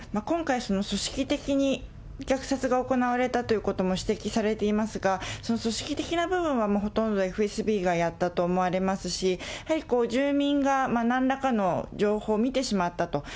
今回、その組織的に虐殺が行われたということも指摘されていますが、その組織的な部分は、ほとんどＦＳＢがやったと思われますし、やはり住民がなんらかの情報を見てしまったと。